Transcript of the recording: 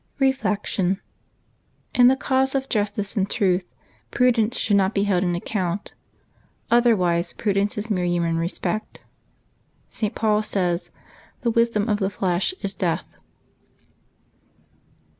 Reflection. — In the cause of justice and truth, prudence should not be held in account ; otherwise prudence is mere human respect. St. Paul says :" The wisdom of the flesh is death.''